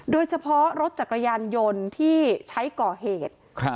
โดยเฉพาะรถจักรยานยนต์ที่ใช้ก่อเหตุ